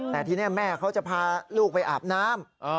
แต่ทีนี้แม่เขาจะพาลูกไปอาบน้ำ